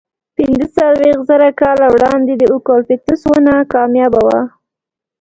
پینځهڅلوېښت زره کاله وړاندې اوکالیپتوس ونه کمیابه وه.